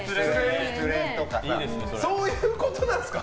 そういうことなんですか？